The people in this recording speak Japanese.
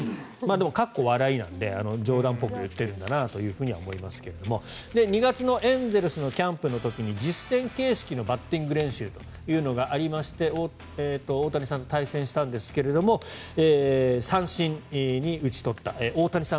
でもなので、冗談っぽく言っていると思いますが２月のエンゼルスのキャンプの時に実戦形式のバッティング練習というのがありまして大谷さんと対戦したんですが三振に打ち取った。